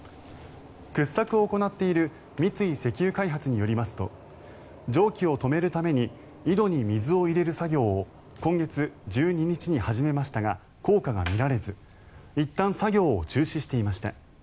掘削を行っている三井石油開発によりますと蒸気を止めるために井戸に水を入れる作業を今月１２日に始めましたが効果が見られずいったん作業を中止していました。